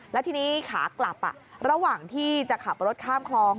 แล้วทีนี้ขากลับระหว่างที่จะขับรถข้ามคลอง